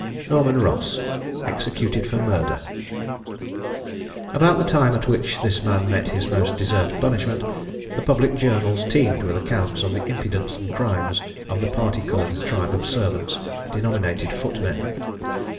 NORMAN ROSS. EXECUTED FOR MURDER. About the time at which this man met his most deserved punishment, the public journals teemed with accounts of the impudence and crimes of the parti coloured tribe of servants denominated footmen.